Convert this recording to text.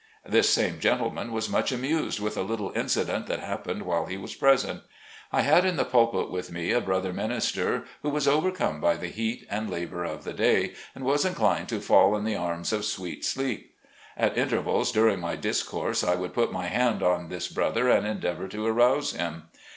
This same gentleman was much amused with a little incident that happened while he was present. I had in the pulpit with me a brother minister, who was overcome by the heat and labor of the day, and was inclined to fall in the arms of sweet sleep. At intervals, during my discourse, I would put my hand on this brother and endeavor to arouse him.